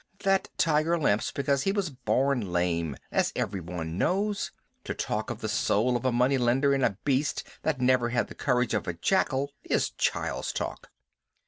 "That tiger limps because he was born lame, as everyone knows. To talk of the soul of a money lender in a beast that never had the courage of a jackal is child's talk."